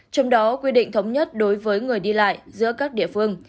trong đó quy định thống nhất đối với người đi lại giữa các địa phương